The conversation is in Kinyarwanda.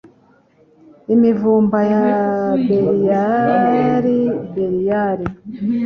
imivumba ya Beliyali Beliyali